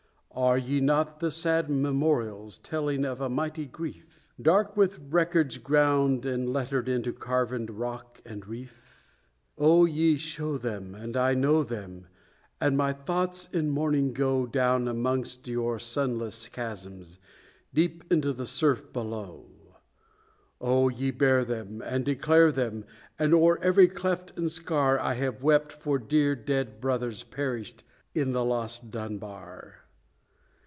Are ye not the sad memorials, telling of a mighty grief Dark with records ground and lettered into caverned rock and reef? Oh! ye show them, and I know them, and my thoughts in mourning go Down amongst your sunless chasms, deep into the surf below! Oh! ye bear them, and declare them, and o'er every cleft and scar, I have wept for dear dead brothers perished in the lost Dunbar!